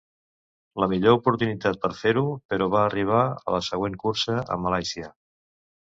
La millor oportunitat per fer-ho, però, va arribar a la següent cursa, a Malàisia.